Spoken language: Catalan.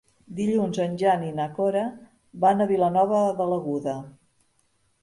Dilluns en Jan i na Cora van a Vilanova de l'Aguda.